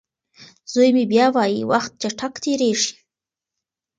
زوی مې بیا وايي وخت چټک تېریږي.